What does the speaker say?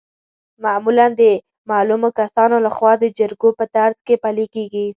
معمولا د معلومو کسانو لخوا د جرګو په ترڅ کې پلي کیږي.